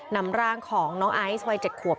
นำร่างของน้องไอซ์วัย๗ขวบ